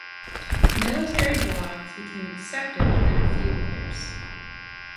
Military blogs became accepted within a few years.